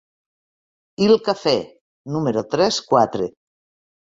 «Il Caffé» Número tres-quatre.